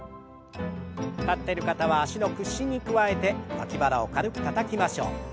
立ってる方は脚の屈伸に加えて脇腹を軽くたたきましょう。